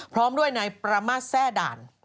พร้อมด้วยนายประมาทแซ่ด่าน